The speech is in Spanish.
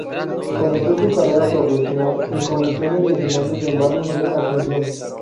Comenzó su carrera profesional en comisiones vecinales en barrios de Asunción.